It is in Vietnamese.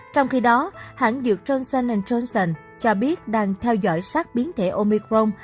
trong khi đó hãng dược tr johnson johnson cho biết đang theo dõi sát biến thể omicron